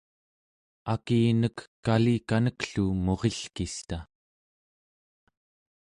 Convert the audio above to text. akinek, kalikanek-llu murilkista